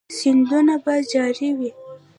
سیندونه به جاری وي؟